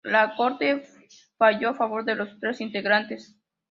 La corte falló a favor de los tres integrantes.